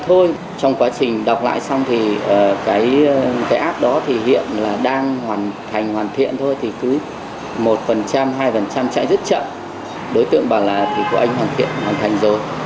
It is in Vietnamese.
đối tượng bảo là thì của anh hoàn thiện hoàn thành rồi